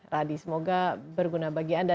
radi semoga berguna bagi anda